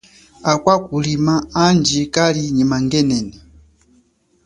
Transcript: Akwa kulima andji kali nyi mangenene.